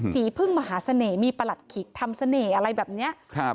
สีพึ่งมหาเสน่ห์มีประหลัดขิกทำเสน่ห์อะไรแบบเนี้ยครับ